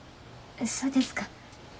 そうですか。